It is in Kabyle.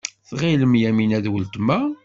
Tɣilem Yamina d weltma.